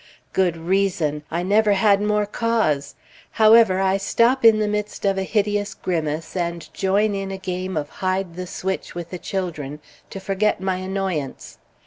Good reason! I never had more cause! However, I stop in the midst of a hideous grimace, and join in a game of hide the switch with the children to forget my annoyance.